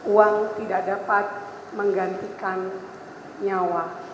uang tidak dapat menggantikan nyawa